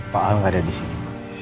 pak al gak ada di sini